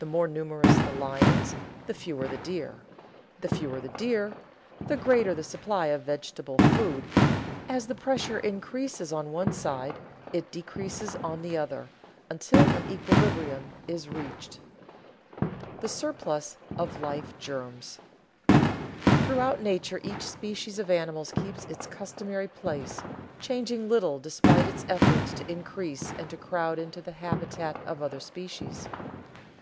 The more numerous the lions, the fewer the deer; the fewer the deer, the greater the supply of vegetable food; as the pressure increases on one side, it decreases on the other, until an equilibrium is reached. [Sidenote: The surplus of life germs] Throughout nature each species of animal keeps its customary place, changing little despite its efforts to increase and to crowd into the habitat of other species.